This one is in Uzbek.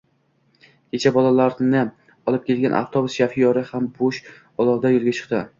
Kecha bolalarni olib kelgan avtobus shofyori ham bo`sh ulovda yo`lga chiqdi